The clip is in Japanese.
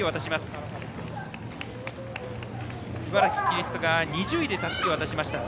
茨城キリストが２０位でたすきを渡しました。